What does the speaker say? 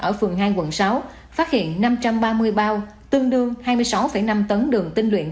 ở phường hai quận sáu phát hiện năm trăm ba mươi bao tương đương hai mươi sáu năm tấn đường tinh luyện